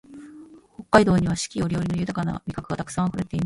北海道には四季折々の豊な味覚がたくさんあふれています